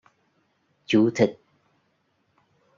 Chú thích